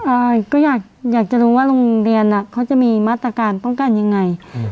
เอ่อก็อยากอยากจะรู้ว่าโรงเรียนอ่ะเขาจะมีมาตรการป้องกันยังไงอืม